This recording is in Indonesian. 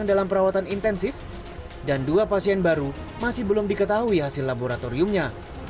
dan dua pasien baru masih belum diketahui hasil laboratoriumnya